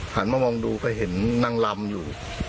หันมามองดูก็เห็นนางลำอยู่